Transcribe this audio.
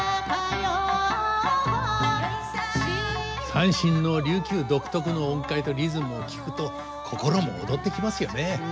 三線の琉球独特の音階とリズムを聴くと心も躍ってきますよね。